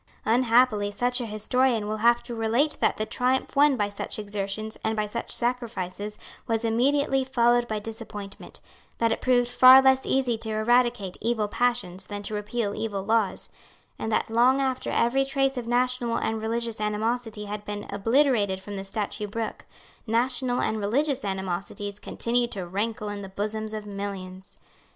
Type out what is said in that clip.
Unhappily such a historian will have to relate that the triumph won by such exertions and by such sacrifices was immediately followed by disappointment; that it proved far less easy to eradicate evil passions than to repeal evil laws; and that, long after every trace of national and religious animosity had been obliterated from the Statute Book, national and religious animosities continued to rankle in the bosoms of millions.